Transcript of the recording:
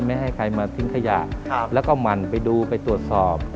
ไม่ให้ใครมาทิ้งขยะแล้วก็หมั่นไปดูไปตรวจสอบ